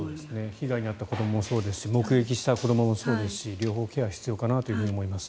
被害に遭った子どももそうですし目撃した子どももそうですし両方、ケアが必要かと思います。